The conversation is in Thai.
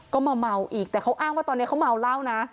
ก็มาเมาอีกแต่เขาอ้างว่าตอนนี้เขาเมาเหล้านะ